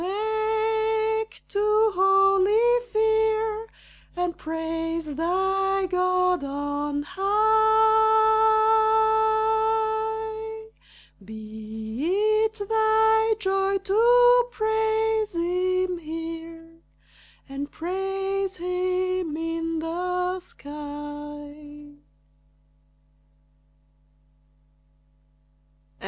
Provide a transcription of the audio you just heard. Awake to holy fear And praise thy God on high; Be it thy joy to praise him here And praise him in the sky.